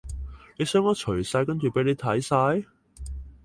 你想我除晒跟住畀你睇晒？